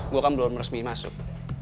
gue kan belum resmi masuk